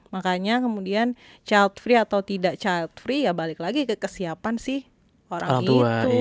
makanya kemudian child free atau tidak child free ya balik lagi ke kesiapan si orang itu